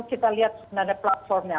kita lihat sebenarnya platformnya